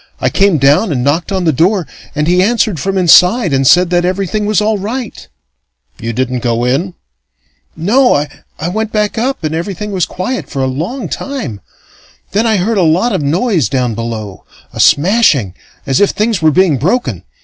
I came down and knocked on the door, and he answered from inside and said that everything was all right " "You didn't go in?" "No. I went back up, and everything was quiet for a long time. Then I heard a lot of noise down below a smashing as if things were being broken.